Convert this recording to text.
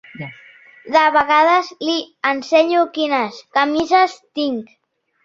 De vegades li ensenyo quines camises tinc.